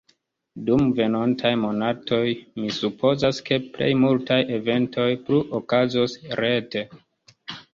Dum venontaj monatoj, mi supozas ke plej multaj eventoj plu okazos rete.